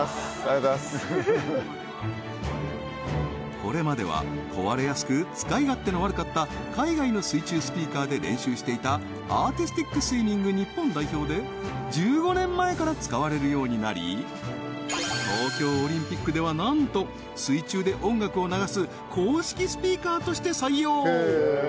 これまでは壊れやすく使い勝手の悪かった海外の水中スピーカーで練習していたアーティスティックスイミング日本代表で１５年前から使われるようになり東京オリンピックではなんと水中で音楽を流す公式スピーカーとして採用